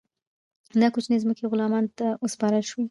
دا کوچنۍ ځمکې غلامانو ته وسپارل شوې.